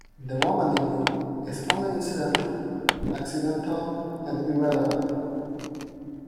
The woman in you is only incidental, accidental, and irrelevant.